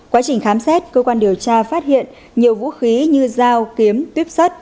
quá trình khám xét cơ quan điều tra phát hiện nhiều vũ khí như dao kiếm tuyếp sắt